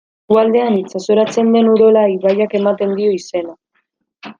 Eskualdean itsasoratzen den Urola ibaiak ematen dio izena.